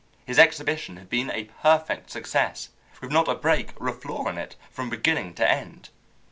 His exhibition had been a perfect success, with not a break or a flaw in it from beginning to end.